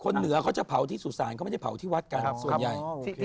เหนือเขาจะเผาที่สุสานเขาไม่ได้เผาที่วัดกันส่วนใหญ่